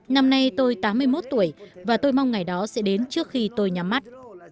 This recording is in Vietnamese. năm nay tôi tám mươi một tuổi và tôi mong ngày đó sẽ đến trước khi tôi nhắm mắt